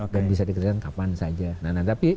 dan bisa diketahui kapan saja